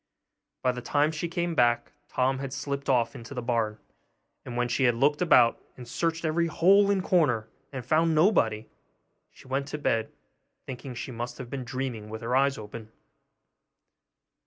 By the time she came back, Tom had slipped off into the barn; and when she had looked about and searched every hole and corner, and found nobody, she went to bed, thinking she must have been dreaming with her eyes open.